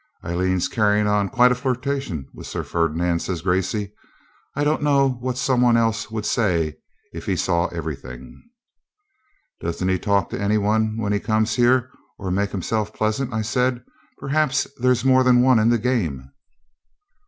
'Aileen's carrying on quite a flirtation with Sir Ferdinand,' says Gracey. 'I don't know what some one else would say if he saw everything.' 'Doesn't he talk to any one when he comes here, or make himself pleasant?' I said. 'Perhaps there's more than one in the game.'